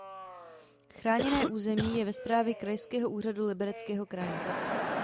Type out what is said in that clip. Chráněné území je ve správě Krajského úřadu Libereckého kraje.